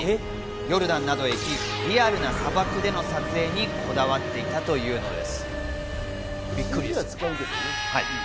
ヨルダンなどへ行きリアルな砂漠での撮影にこだわっていたというのです。